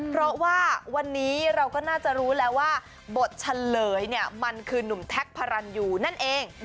เพราะว่าวันนี้เราก็น่าจะรู้แล้วว่าบทเฉลยเนี่ยมันคือนุ่มแท็กพารันยูนั่นเอง